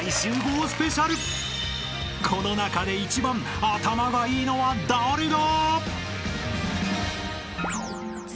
［この中で一番頭がいいのは誰だ？］